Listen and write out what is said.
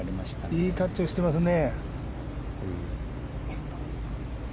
いいタッチをしてますね。